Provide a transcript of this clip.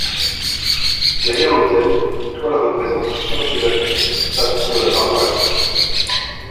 Derrière l'autel, une toile représente saint Sébastien, patron de la paroisse.